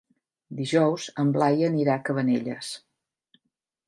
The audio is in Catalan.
Dijous en Blai anirà a Cabanelles.